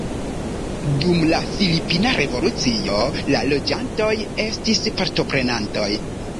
Dum la filipina revolucio la loĝantoj estis partoprenantoj.